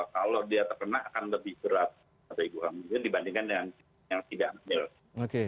kalau dia terkena akan lebih berat pada ibu hamil dibandingkan yang tidak hamil